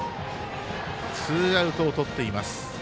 ツーアウトをとっています。